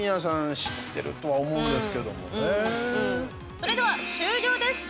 それでは終了です。